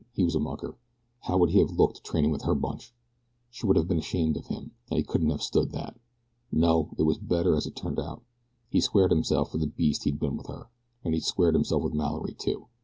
He was a mucker. How would he have looked training with her bunch. She would have been ashamed of him, and he couldn't have stood that. No, it was better as it had turned out. He'd squared himself for the beast he'd been to her, and he'd squared himself with Mallory, too.